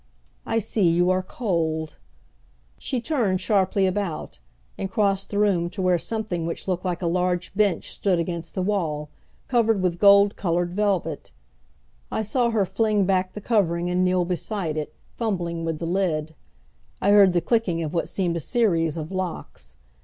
"I see, you are cold." She turned sharply about, and crossed the room to where something which looked like a large bench stood against the wall, covered with gold colored velvet. I saw her fling back the covering and kneel beside it, fumbling with the lid. I heard the clicking of what seemed a series of locks.